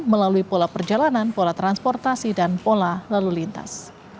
melalui pola perjalanan pola transportasi dan pola lalu lintas